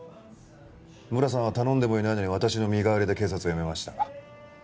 村さんは頼んでもいないのに私の身代わりで警察を辞めました。